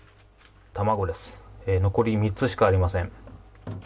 残り３つしかありません。